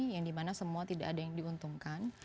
yang dimana semua tidak ada yang diuntungkan